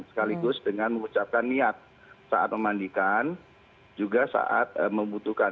sekaligus dengan mengucapkan niat saat memandikan juga saat membutuhkan